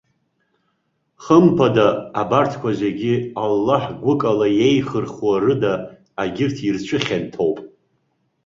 Хымԥада, абарҭқәа зегьы, Аллаҳ гәыкала иеихырхәо рыда, егьырҭ ирцәыхьанҭоуп.